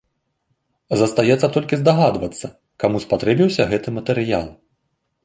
Застаецца толькі здагадвацца, каму спатрэбіўся гэты матэрыял.